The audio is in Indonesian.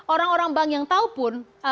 orang orang bank yang tahu pun